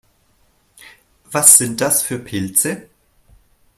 Was sind das für Pilze?